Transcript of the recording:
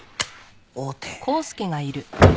王手。